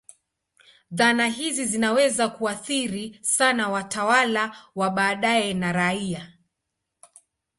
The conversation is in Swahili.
Dhana hizi zinaweza kuathiri sana watawala wa baadaye na raia.